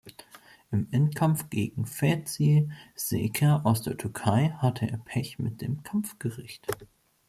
Im Endkampf gegen Fevzi Şeker aus der Türkei hatte er Pech mit dem Kampfgericht.